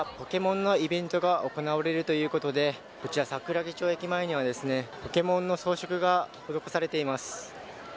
横浜みなとみらいではポケモンのイベントが行われるということでこちら、桜木町駅前にはポケモンの装飾が施されています。